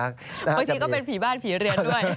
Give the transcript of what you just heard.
บางทีก็เป็นผีบ้านผีเรือนด้วย